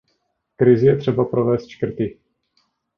V krizi je třeba provést škrty.